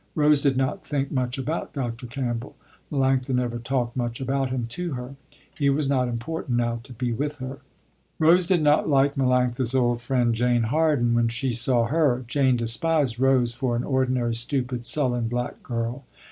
Rose did not think much about Dr. Campbell. Melanctha never talked much about him to her. He was not important now to be with her. Rose did not like Melanctha's old friend Jane Harden when she saw her. Jane despised Rose for an ordinary, stupid, sullen black girl.